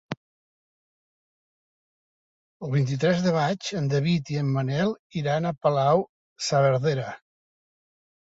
El vint-i-tres de maig en David i en Manel iran a Palau-saverdera.